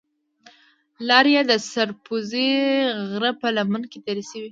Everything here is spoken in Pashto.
لار یې د سر پوزې غره په لمن کې تېره شوې.